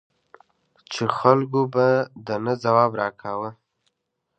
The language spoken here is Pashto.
چې خلکو به د نه ځواب را کاوه.